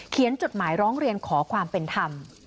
จดหมายร้องเรียนขอความเป็นธรรม